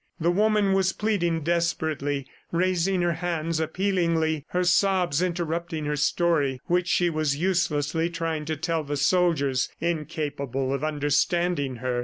The woman was pleading desperately, raising her hands appealingly, her sobs interrupting her story which she was uselessly trying to tell the soldiers, incapable of understanding her.